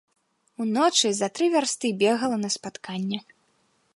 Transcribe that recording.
Уночы за тры вярсты бегала на спатканне.